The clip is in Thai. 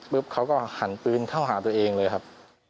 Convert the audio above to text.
เขาก็หันปืนเข้าหาตัวเองเลยครับ